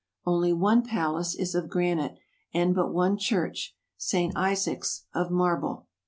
Only one palace is of granite, and but one church, St. Isaac's, of marble.